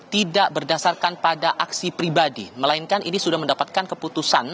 tidak berdasarkan pada aksi pribadi melainkan ini sudah mendapatkan keputusan